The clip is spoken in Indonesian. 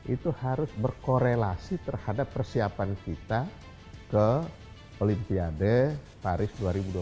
itu harus berkorelasi terhadap persiapan kita ke olimpiade paris dua ribu dua puluh empat